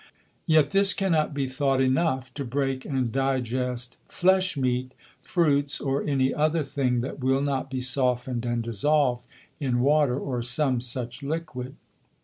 Yet this cannot be thought enough to break and digest Flesh meat, Fruits, or any other thing that will not be softned and dissolv'd in Water, or some such Liquid.